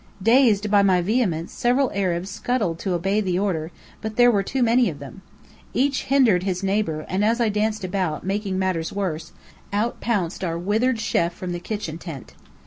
Dazed by my vehemence, several Arabs scuttled to obey the order, but there were too many of them. Each hindered his neighbour, and as I danced about, making matters worse, out pounced our withered chêf from the kitchen tent.